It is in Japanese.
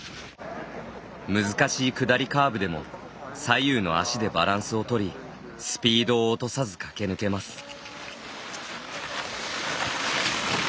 難しい下りカーブでも左右の足でバランスをとりスピードを落とさず駆け抜けます。